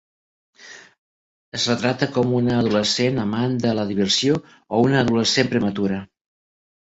Es retrata com una adolescent amant de la diversió o una adolescent prematura.